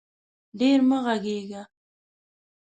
ډېر مه غږېږه